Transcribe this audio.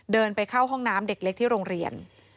เดินไปเข้าห้องน้ำเด็กเล็กที่โรงเรียน